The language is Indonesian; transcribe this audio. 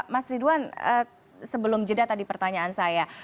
mas ridwan sebelum jeda tadi pertanyaan saya